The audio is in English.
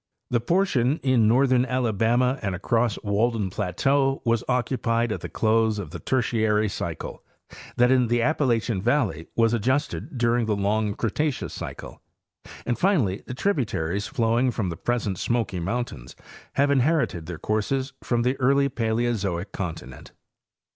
The portion in northern Alabama and across Walden plateau was occupied at the close of the Tertiary cycle ; that in the Appalachian valley was adjusted during the long Cretaceous cycle; and, finally, the tributaries flowing from the present Smoky mountains have inherited their courses from the early Paleozoic continent.